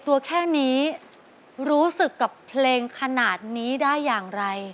ถ้าเราต้องจากกัน